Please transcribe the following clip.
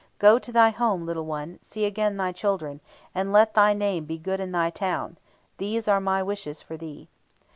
go to thy home, little one, see again thy children, and let thy name be good in thy town; these are my wishes for thee.'